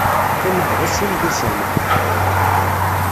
Qqimeɣ da sin wussan.